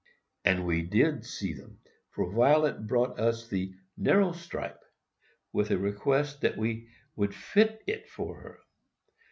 — And we did "see 'em;" for Violet brought us the "narrow stripe," with a request that we would fit it for her.